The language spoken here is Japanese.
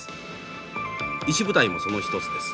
石舞台もその一つです。